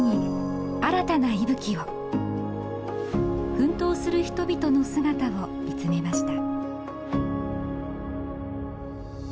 奮闘する人々の姿を見つめました。